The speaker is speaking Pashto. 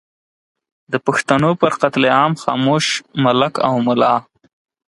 د پښتنو پر قتل عام خاموش ملک او ملا